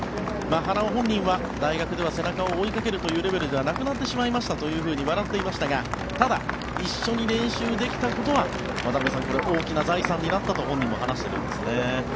花尾本人は、大学では背中を追いかけるというレベルではなくなってしまいましたと笑っていましたがただ、一緒に練習できたことは渡辺さん、自分の財産になったと本人も話していますね。